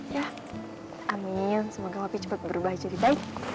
yah amin semoga papi cepet berubah jadi baik